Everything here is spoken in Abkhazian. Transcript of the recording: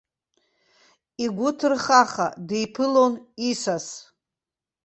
Игәы ҭырхаха диԥылон исас.